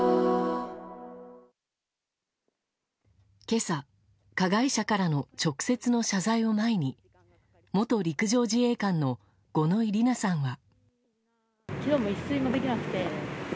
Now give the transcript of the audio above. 今朝、加害者からの直接の謝罪を前に元陸上自衛官の五ノ井里奈さんは。